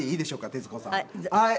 徹子さん。